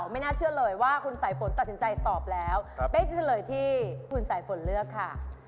ไม่น่าเชื่อเลยว่าคุณสายฝนตัดสินใจตอบแล้วเป๊กจะเฉลยที่คุณสายฝนเลือกค่ะ